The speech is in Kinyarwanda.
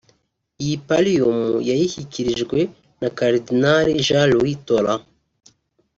Iyi Pallium yayishyikirijwe na Karidinali Jean-Louis Tauran